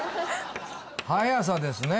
速さですね